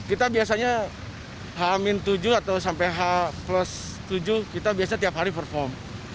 kita biasanya h tujuh atau sampai h tujuh kita biasanya tiap hari perform